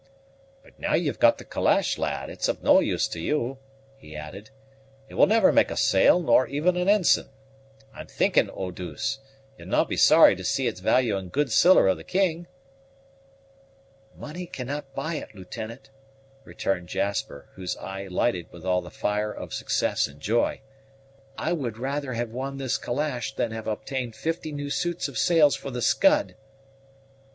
"But now you've got the calash, lad, it's of no use to you," he added; "it will never make a sail, nor even an ensign. I'm thinking, Eau douce, you'd no' be sorry to see its value in good siller of the king?" "Money cannot buy it, Lieutenant," returned Jasper, whose eye lighted with all the fire of success and joy. "I would rather have won this calash than have obtained fifty new suits of sails for the _Scud!